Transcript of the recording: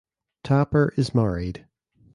Tapper is married.